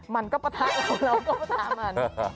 มันก็ปะทะเราเราก็ปะทะมัน